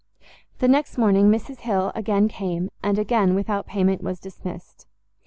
The next morning Mrs Hill again came, and again without payment was dismissed.